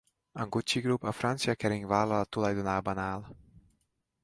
A Gucci Group a francia Kering vállalat tulajdonában áll.